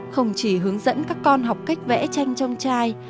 không chỉ hướng dẫn các con học cách vẽ tranh trong chai